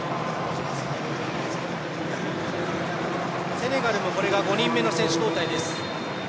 セネガルもこれが５人目の選手交代です。